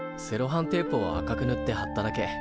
セロハンテープを赤くぬってはっただけ。